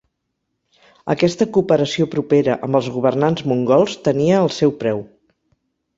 Aquesta cooperació propera amb els governants mongols tenia el seu preu.